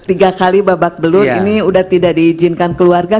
iya tiga kali babak belut ini udah tidak diizinkan keluarga